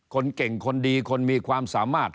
คนเก่งคนดีคนมีความสามารถ